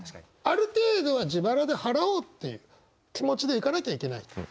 ある程度は自腹で払おうって気持ちで行かなきゃいけないと。